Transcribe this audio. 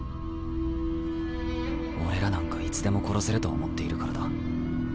俺らなんかいつでも殺せると思っているからだ。